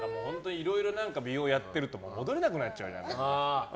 いろいろ美容やってると戻れなくなっちゃうじゃん。